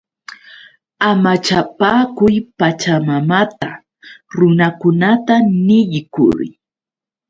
¡Amachapaakuy Pachamamata! Runakunata niykuy.